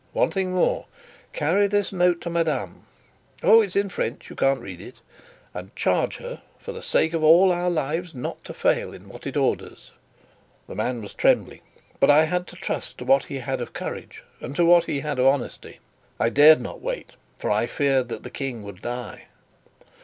One thing more. Carry this note to madame oh, it's in French, you can't read it and charge her, for the sake of all our lives, not to fail in what it orders." The man was trembling but I had to trust to what he had of courage and to what he had of honesty. I dared not wait, for I feared that the King would die.